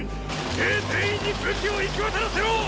兵全員に武器を行き渡らせろ！！